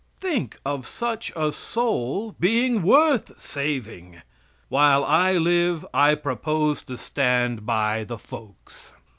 Think of such a soul being worth saving. While I live I propose to stand by the folks.